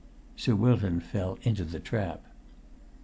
Sir Wilton fell into the trap.